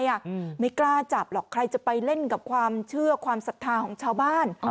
อืมไม่กล้าจับหรอกใครจะไปเล่นกับความเชื่อความศรัทธาของชาวบ้าน